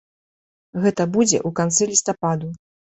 Гэта будзе ў канцы лістападу.